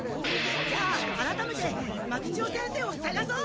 じゃああらためて松千代先生をさがそう！